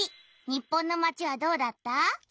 日本のまちはどうだった？